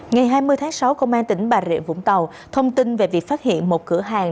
ngày hai mươi tháng sáu công an tỉnh bà rịa vũng tàu thông tin về việc phát hiện một cửa hàng